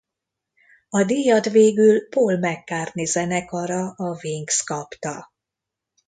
A díjat végül Paul McCartney zenekara a Wings kapta.